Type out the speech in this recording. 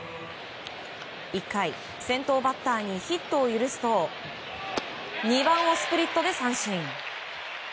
１回、先頭バッターにヒットを許すと２番をスプリットで三振。